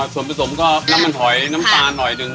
ส่วนผสมก็น้ำมันหอยน้ำตาลหน่อยหนึ่ง